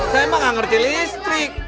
saya emang gak ngerti listrik